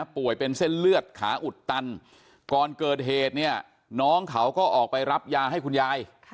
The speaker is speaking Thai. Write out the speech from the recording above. เป็นเส้นเลือดขาอุดตันก่อนเกิดเหตุเนี่ยน้องเขาก็ออกไปรับยาให้คุณยาย